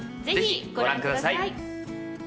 ぜひご覧ください